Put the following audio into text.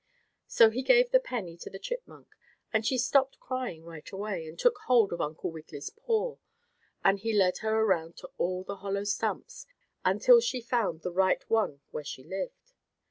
So he gave the penny to the chipmunk, and she stopped crying right away, and took hold of Uncle Wiggily's paw, and he led her around to all the hollow stumps until she found the right one where she lived.